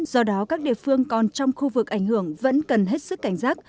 do đó các địa phương còn trong khu vực ảnh hưởng vẫn cần hết sức cảnh giác